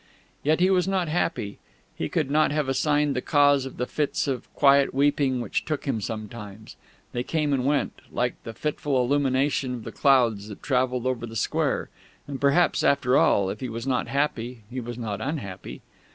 Yet he was not happy. He could not have assigned the cause of the fits of quiet weeping which took him sometimes; they came and went, like the fitful illumination of the clouds that travelled over the square; and perhaps, after all, if he was not happy, he was not unhappy.